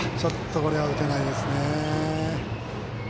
これは打てないですね。